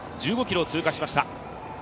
１５ｋｍを通過しました。